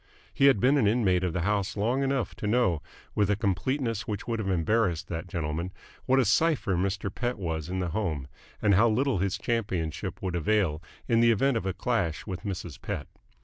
He had been an inmate of the house long enough to know, with a completeness which would have embarrassed that gentleman, what a cipher Mr. Pett was in the home and how little his championship would avail in the event of a clash with Mrs. Pett.